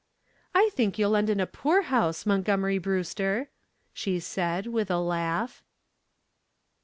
"I think you'll end in the poor house, Montgomery Brewster," she said, with a laugh.